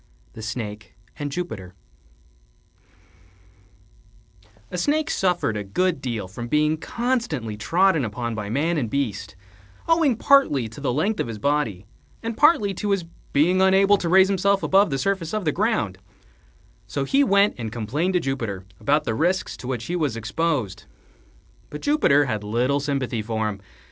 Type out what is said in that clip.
THE SNAKE AND JUPITER A Snake suffered a good deal from being constantly trodden upon by man and beast, owing partly to the length of his body and partly to his being unable to raise himself above the surface of the ground: so he went and complained to Jupiter about the risks to which he was exposed. But Jupiter had little sympathy for him.